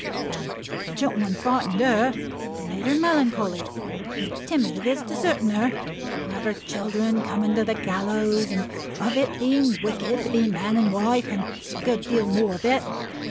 And the gentleman frightened her, and made her melancholy, and timid of his deserting her, and of her children coming to the gallows, and of its being wicked to be man and wife, and a good deal more of it.